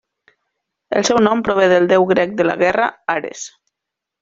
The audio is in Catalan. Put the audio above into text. El seu nom prové del deu grec de la guerra Ares.